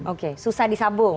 oke susah disambung